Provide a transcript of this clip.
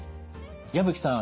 矢吹さん